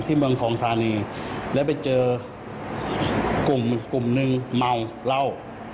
ที่เมืองทองธานีแล้วไปเจอกลุ่มหนึ่งเมาเหล้า